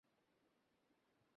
আমাদের ঘোড়াগুলো ক্লান্ত!